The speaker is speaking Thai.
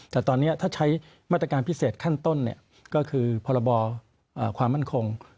แต่ตอนนี้ถ้าใช้มาตรการพิเศษขั้นต้นก็คือพรบความมั่นคง